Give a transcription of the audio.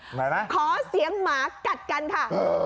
หมายไม่ขอเสียงหมากัดกันค่ะ